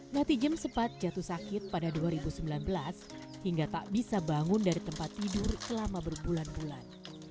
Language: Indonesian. nati jim sempat jatuh sakit pada dua ribu sembilan belas hingga tak bisa bangun dari tempat tidur selama berbulan bulan